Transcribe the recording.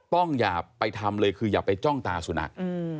อย่าไปทำเลยคืออย่าไปจ้องตาสุนัข